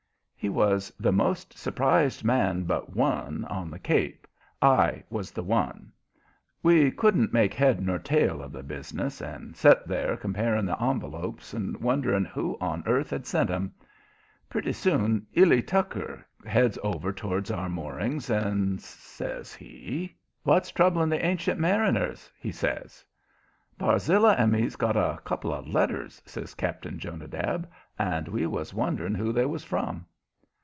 He was the most surprised man, but one, on the Cape: I was the one. We couldn't make head nor tail of the business, and set there comparing the envelopes, and wondering who on earth had sent 'em. Pretty soon "Ily" Tucker heads over towards our moorings, and says he: "What's troubling the ancient mariners?" he says. "Barzilla and me's got a couple of letters," says Cap'n Jonadab; "and we was wondering who they was from."